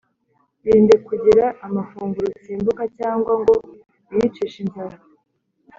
Irinde kugira amafunguro usimbuka cyangwa ngo wiyicishe inzara